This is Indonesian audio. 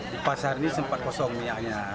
di pasar ini sempat kosong minyaknya